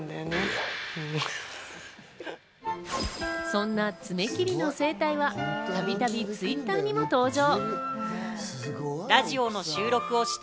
そんな爪切りの生態はたびたびＴｗｉｔｔｅｒにも登場。